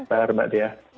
selamat malam mbak diah